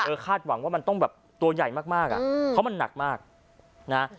คาดหวังว่ามันต้องแบบตัวใหญ่มากมากอ่ะเพราะมันหนักมากนะ